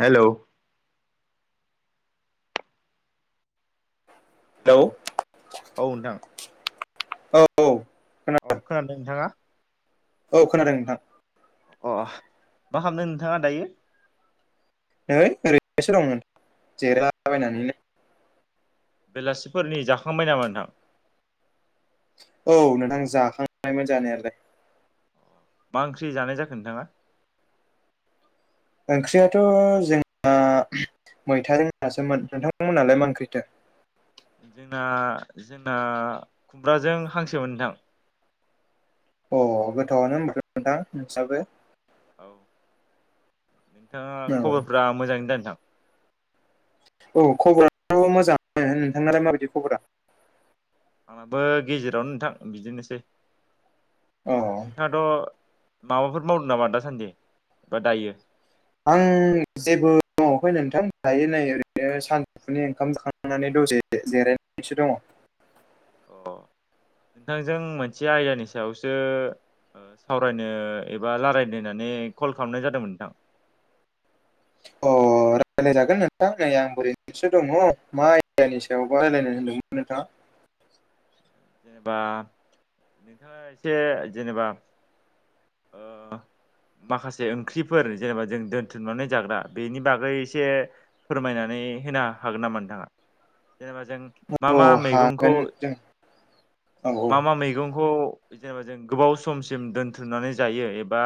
Hello. औ। औ नोंथां औ औ खोनादों नोंथाङा? औ खोनादों नोंथां। अ मा खालामदों नोंथाङा दायो? नै ओरैनोसो दंमोन जिरायला बायनानैनो। बेलासिफोरनि जाखांबाय नामा नोंथां? औ नोंथां जाखांबायमोन जानायालाय। मा ओंख्रि जानाय जाखो नोंथाङा? ओंख्रियाथ' जोंहा मैथाजों नासोमोन नोंथांमोनालाय मा ओंख्रिथो? जोंना जोंना खुमब्राजों हांसोमोन नोंथां। अ गोथावानो होनबाथ' नोंथां नोंसाबो। औ नोंथाङा औ खबरफ्रा मोजाङै दा नोंथां? औ खबराथ' मोजां नोंथानालाय माबायदि खबरा? आंहाबो गेजेरावनो नोंथां बिदिनोसै अ नोंथाङाथ' माबाफोर मावदों नामा दासान्दि एबा दायो? आं जेबो मावाखै नोंथां दायो नै ओरैनो सानजौफुनि ओंखाम जाखांनानै दं। [unintelligible] अ नोंथांजों मोनसे आयदानि सायावसो ओ सावरायनो एबा रायलायनो होननानै कल खालामनाय जादोंमोन नोंथां। अ। रायलायजागोन नोंथां नै आंबो ओरैसो दङ मा आयदानि सायावबा रायलायनो होनदोंमोन नोंथाङा? जेनेबा नोंथाङा एसे जेनेबा ओ माखासे ओंख्रिफोर जेनेबा जों दोनथुमनानै जाग्रा बेनि बागै एसे फोरमायना नानै होनो हागोन नामा नोंथाङा? जेनेबा जों मा औ मा मैगंखौ हागोन जों औ मा औ मा मैगंखौ जेनेबा जों गोबाव समसिम दोनथुमनानै जायो एबा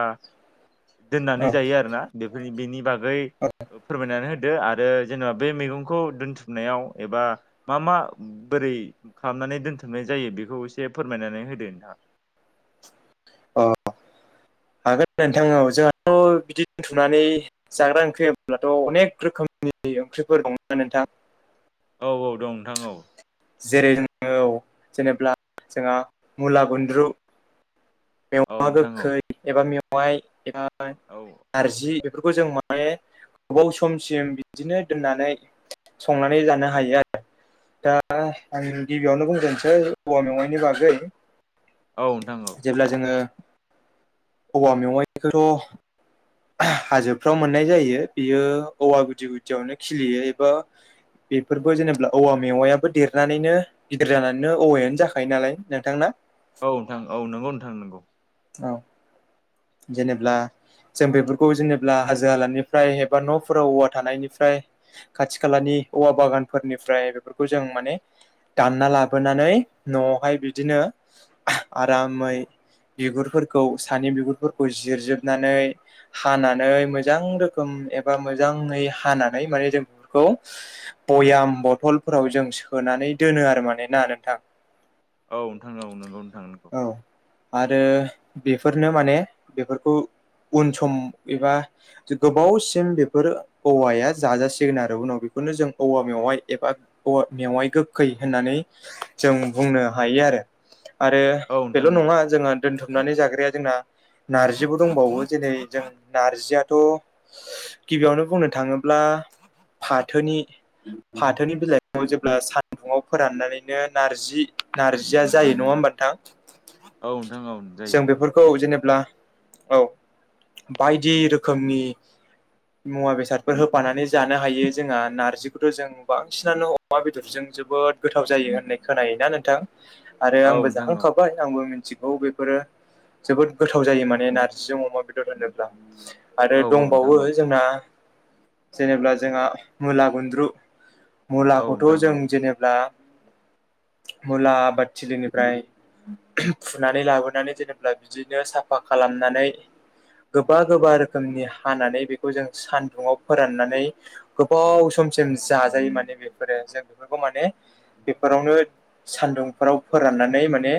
दोननानै जायो आरोना बेफोरनि बेनि बागै औ फोरमायनानै दो आरो जेनेबा बे मैगंखौ दोनथुमनायाव एबा मा मा बोरै नानै दोनथुमनाय जायो बेखौ एसे फोरमायनानै होदो नोंथाङा? अ हागोन नोंथां औ जोंहाथ' बिदि दोनथुमनानै जाग्रा ओंख्रि होमब्लाथ' अनेक रोखोमनि ओंख्रिफोर दं नोंथां। औ औ दं नोंथां औ। जेरै औ जेनेबा जोंहा मुला गुन्द्रु औ मेवा नोंथां औ गोखै एबा मेवाइ एबा औ नारजि बेफोरखौ जों माने गोबाव समसिम बिदिनो दोननानै संनानै जानो हायो आरो। दा आं गिबियावनो बुंजेनसै औवा मेवाइनि बागै औ नोंथां औ जेब्ला जोङो औवा मेवाइखौथ' हाजोफ्राव मोननाय जायो बियो औवा गुदि गुदियावनो खिलियो एबा बेफोरबो जेनेब्ला औवा मेवायाबो देरनानैनो गिदिर जानानैनो औवायानो जाखायो नालाय नोंथां ना। औ नोंथां औ नंगौ नोंथां नोंगौ। औ जेनेब्ला जों बेफोरखौ जेनेबा हाजो हालानिफ्राय एबा न'फोराव औवा थानायनिफ्राय खाथि खालानि औवा बागान फोरनिफ्राय बेफोरखौ जों माने दानना लाबोनानै न'वावहाय बिदिनो आरामै बिगुरफोरखौ सानि बिगुर फोरखौ जिरजोबनानै हानानै मोजां रोखोम एबा मोजाङै हानानै माने जों बेफोरखौ बयाम बथलफोराव जों सोनानै दोनो आरो, माने ना नोंथां? औ नोंथां औ नंगौ नोंथां नंगौ। औ आरो बेफोरनो माने बेफोरखौ उन सम एबा गोबावसिम बेफोर औवाया जाजासिगोन आरो उनाव बे खौनो जों औवा मेवाइ एबा औवा मेवाइ गोखै होननानै जों बुंनो हायो आरो। आरो औ नोंथां बेल' औ नङा जोंहा दोनथुमनानै जाग्राया जोंना। नार्जिबो दंबावो जेरै जों नारजियाथ' गिबियावनो बुंनो थाङोब्ला फाथोनि फाथोनि बिलाइखौ जेब्ला सान्दुंआव फोराननानैनो नारजि नारजिया जायो नङा होमब नोंथां? औ नोंथां औ जायो। जों बेफोरखौ जेनेब्ला औ बायदि रोखोमनि मुवा बेसादफोर होफानानै जानो हायो जोंहा नारजिखौथ' जों बांसिनानो अमा बेदरजों जोबोद गोथाव जायो होननाय खोनायो ना नोंथां। आरो औ आंबो नोंथां औ जाखांखाबाय आंबो मिथिगौ बेफोरो जोबोद गोथा थाव जायो माने नारजिजों अमा बेदर होनोब्ला आरो औ नोंथां दंबावो औ जोंना। जेनेब्ला जोंहा मुला गुन्द्रु औ मुलाखौथ' नोंथां जों औ जेनेब्ला [inaudible] मुला आबादथिलिनिफ्राय फुनानै लाबोनानै जेनेब्ला बिदिनो साफ फा खालामनानै गोबा गोबा रोखोमनि हानानै बेखौ जों सान्दुंआव फोराननानै गोबाव सम जाजायो माने बेफोरो जों बेफोरखौ माने बेफोरावनो सानदुंफोराव फोर राननानै माने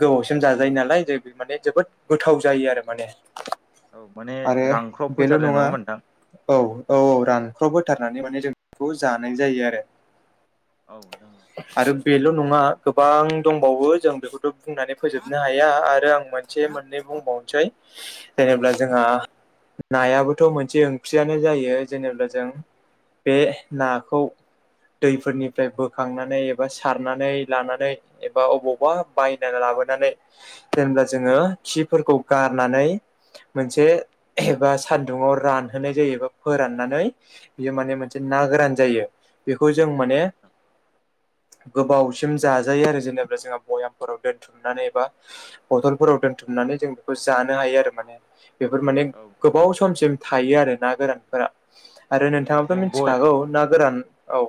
गोबावसिम जाजायो नालाय जेबि [unintelligible] माने जोबोद गोथाव जायो आरो माने। औ माने आरो रांख्रब बेल' फोथारनाय नङा होमबा नोंथां औ औ औ रानख्राव होथारनानै माने जों बेखौ जानाय जायो आरो। औ नोंथां आरो बेल नङा गोबां दंबावो जों बेखौथ' बुंनानै फोजोबनो हाया आरो आं मोन से मोननै बुंबावनोसै औ जेनेबा नोंथां जोंहा नायाबोथ' मोनसे ओंख्रियानो जायो जेनेबा जों बे नाखौ दैफोरनिफ्राय बोखांनानै एबा सारनानै लानानै एबा अबावबा बायना लाब लाबोनानै जेनेब्ला जोङो खिफोरखौ गारनानै मोनसे एबा सान्दुङाव रानहोनाय जायो। फोराननानै बियो माने मोनसे ना गोरान जायो। बेखौ जों औ माने नोंथां गोबावसिम जाजायो आरो जेनेबा जोंहा बयामफोराव दोनथुमनानै एबा बथलफोराव दोनथुमनानै जों बेखौ जानो हायो आरो माने। बेफोर माने औ नोंथां गोबाव समसिम थायो आरो ना गोरानफोरा आरो जेनेबा नोंथाङाबाथ' जों बय मिनथिखागौ ना गोरान औ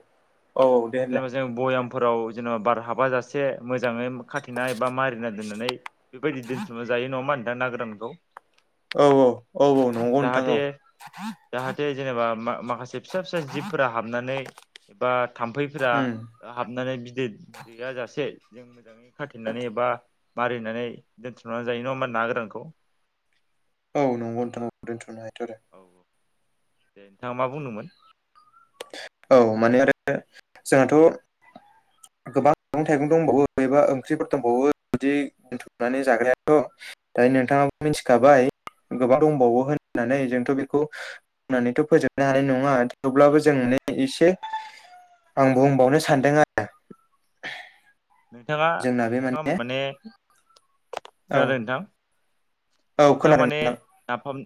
औ औ दे होनलाय जेनेबा जों स्याम फोराव जेनेबा बार हाबा जासे मोजाङै खाथेना एबा मारिना दोननानै बेबायदि दोनथुमनो जायो नङा होमबा नोंथां ना गोरानखौ औ औ औ औ नंगौ नोंथां औ। जाहाथे जाहाथे जेनेबा मा-माखासे फिसा फिसा जिबफोरा हाबनानै एबा थाम्फैफोरा उम हाबनानै बिदै दैैया जासे जों मोजाङै खाथेनानै एबा मारिनानै दोनथुमनानै जायो नङा होमा ना गोरानखौ औ नंगौ नोंथां दोनथुमना जायोथ' आरो। औ दे नोंथाङा मा बुंनोमोन? औ आरो माने आरो जोंहाथ' गोबां मैगं थाइगं दंबावो एबा फख्रिफोरथंबावो बिदि दोनथुमनानै जाग्रायाथ' दायो औ नोंथाङाबो मिथिखाबाय। गोबां दंबावो होननानै जोंथ' बेखौ बुंनानैथ' फोजोबनो हानाय नङा थेवब्लाबो जों इसे आं बुंबावनो सानदों आरो। नोंथाङा जोंना बे नोंथाङा माने औ खोनादों नोंथां? औ नोंथाङा खोनादों माने नोंथां नाफाम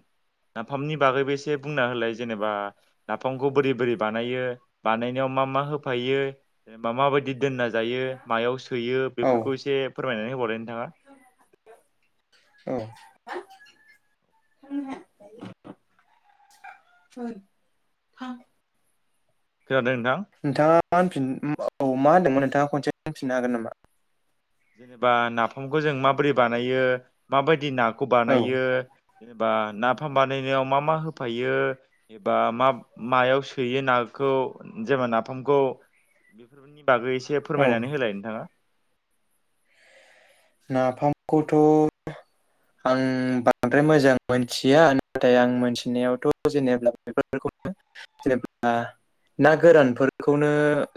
नाफामनि बागैबो एसे बुंना होलाय जेनेबा नाफामखौ बोरै बोरै बानायो बानायनो मा मा होफायो मा मा मादि दोनना जायो मायाव थोयो औ बेफोरखौ एसे फोरमायनानै होबावलाय नोंथाङा औ [unintelligible] [unintelligible] खोनादों नोंथां नोंथाङा मा होनफिन औ मा होनदोंमोन नोंथाङा कनसे होनफिननो हागोन नामा? जेनेबा नाफामखौ जों माबोरै बानायो माबायदि नाखौ औ बानायो। जेनेबा नाफाम बानायनायाव मा मा होफायो एबा मा मायाव सोयो नाखौ जेबा नाफामखौ बेफोरनि बागै एसे औ फोरमायनानै होलाय नोंथाङा। नाफामखौथ' आं बांद्राय मोजां मोनथिया नाथाय आं मोनथिनायावथ' जेनेबा बेफोरखौ [unintelligible] ना गोरानफोरखौनो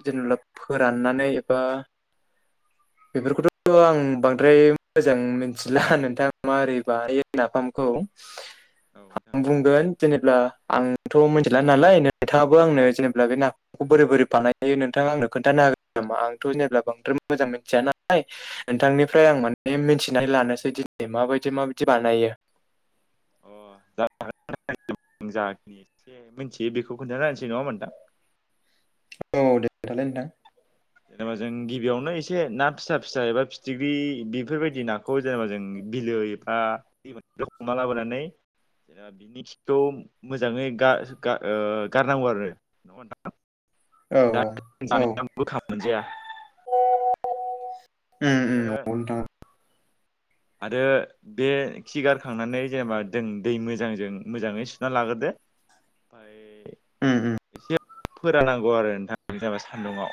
जेनेबा फोराननानै एबा बेफोरखौथ' आं बांद्राय मोजां मिथिला नोंथां मा बोरै बानायो नाफामखौ औ। औ नोंथां आं बुंगोन जेनेब्ला आंथ' मिथिला नालाय नोंथाङाबो आंनो जेनेबा बे नाखौ बोरै बोरै बानाय हायो नोंथां आंनो खोनथानो हाग ना आंथ' जेब्ला बांद्राय मोजां मिथिया नालाय नोंथांनिफ्राय आं माने मिन्थिनानै लानोसै दिनै माबायदि माबायदि बानायो? अ जा जा खिनि एसे मिथियो बेखौ खोन्था नाहोनोसै नङा होमबा नोंथां। औ औ दे खोनथालाय नोंथां। जेनेबा जों गिबियावनो एसे ना फिसा फिसा एबा फिथिख्रि बेफोरबायदि नाखौ जेनेबा जों बिलो एफा हमा लाबोनानै जा बिनि खिखौ मोजाङै गा-गा-ओ गारनांगौ आरो नगोना नोंथां। औ औ [unintelligible] उम उम आरो नंगौ नोंथां। आरो बे खिगारखांनानै जेनेबा जों दै मोजांजों मोजाङै सुना लाग्रोदो ओमफाय उम उम। फोरानांगौ आरो नोंथां जाबा सान्दुंआव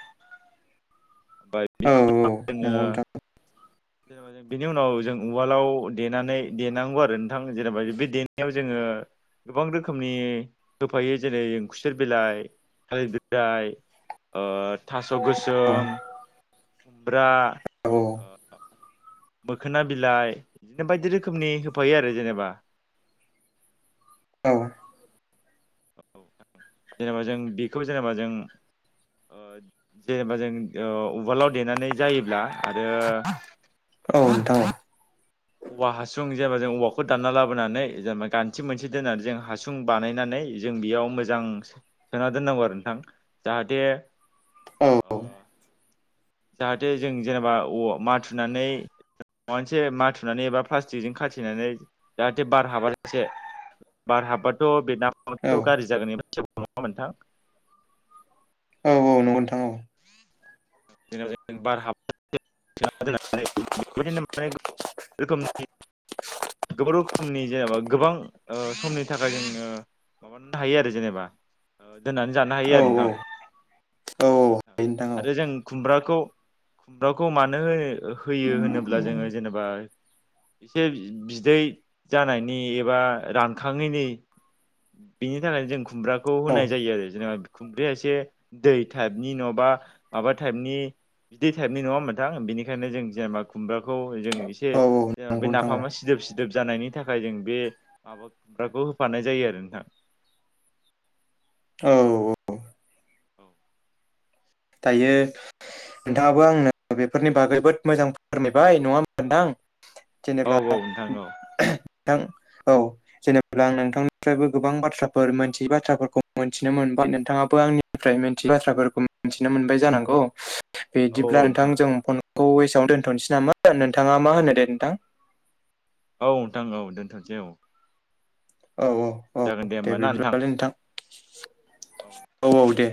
औ नंगौ [unintelligible] जेनेबा बिनि उनाव जों उवालाव देनानै देनांगौ आरो नोंथां जेनेबा बे देनायाव जोङो गोबां रोखोमनि होफायो जेरै खुसेर बिलाइ थालिरददाय ओ थास' नोंथां गोसोम खुमब्रा औ मोखोना बिलाइ बिदिनो बायदि रोखोमनि होफायो आरो जेनेबा औ। जेनेबा जों बेखौ जेनेबा जों जेनेबा जों ओ उवालाव देनानै जायोब्ला आरो औ नोंथां। औवा हासुं जेनेबा जों औवाखौ दानना लाबोनानै जेनेबा गान्थि मोनसे दोननानै जों हासुं बानायनानै जों बेयाव मोजां सोना दोननांगौ आरो नोंथां जाहाथे अ' जाहाथे जों जेनेबा औवा माथुनानै माबा मोनसे माथुनानै एबा प्लास्टिकजों खाथिनानै जाहाथे बार हाबा एसे बार हाबबाथ' बे औ नाफामाथ' गाज्रि जागोन नङा होनबा नोंथां? औ औ नंगौ नोंथां औ। [unintelligible] जेनेबा जे‌ बार हाबनानै [unintelligible] सोना दोननानै बिदिनो माने गोबां रोखोमनि गोबां रोखोमनि जेनेबा गोबां ओ समनि थाखाय जोङो माबानो हायो आरो जेनेबा दोननानै जानो हायो औ आरो नोंथां। औ औ। नोंथां आरो जों खुमब्राखौ खुमब्राावखौ मानो होयो होनोब्ला जोङो जेनेबा एसे बिदै जानायनि एबा रानखाङैनि बेनि थाखायनो जों खुमब्राखौ औ होनाय जायो आरो जेनेबा खुमब्राया एसे दै टाइपनि न' बा माबा टाइपनि दै टाइपनि नङा होनोनथां बेनिखायनो जों जेनेबा खुम्ब्राखौ जों एसे औ औ जेनेबा बे नंगौ नोंथां नाफामा सिदोब सिदोब जानायनि थाखाय जों बे माबा खुमब्राखौ होफानाय जायो आरो नोंथां। [unintelligible] औ औ। औ दायो नोंथाङाबो आंनो बेफोरनि बागै जोबोद मोजां फोरमायबाय नङा होनबा नोंथां। औ जेनेबा नोंथां औ नोंथां औ जेनेबा आं नोंथांनिफ्रायबो गोबां बाथ्राफोर मोनथियै बाथ्राफोरखौ मोनन्थिनोमोनबाय नोंथाङाबो आंनिफ्राय मिथियै बाथ्राफोरखौ मिथिनो मोनबाय जानांगौ औ औ बिदिब्ला नोंथां जों खौ एसेआवनो दोन्थ'नोसै नामा नोंथाङा मा होनो दे नोंथां? औ नोंथां औ दोनथ'नोसै औ। औ औ औ जागोन होमबा दे ना बिबदिबालाय नोंथां। औ औ दे।